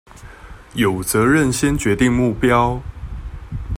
有責任先決定目標